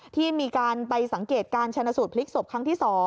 ที่มีการไปสังเกตการชนะสูตรพลิกศพครั้งที่๒